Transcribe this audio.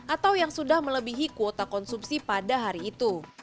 atau yang sudah melebihi kuota konsumsi pada hari itu